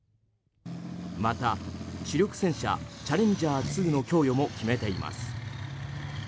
また、主力戦車チャレンジャー２の供与も決めています。